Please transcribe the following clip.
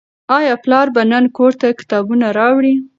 آیا پلار به نن کور ته کتابونه راوړي؟